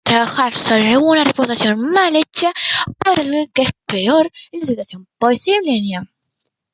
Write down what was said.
Trabajar sobre alguna reparación mal hecha por alguien más es la peor situación posible.